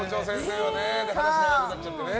話長くなっちゃってね。